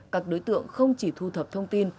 các đối tượng không chỉ thu thập thông tin